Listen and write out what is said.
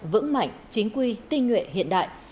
vững mạnh chính quy tinh nguyện hiện đại